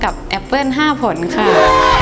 ไม่น่า